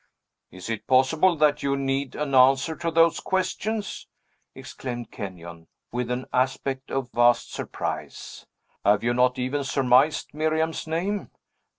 "Is it possible that you need an answer to those questions?" exclaimed Kenyon, with an aspect of vast surprise. "Have you not even surmised Miriam's name?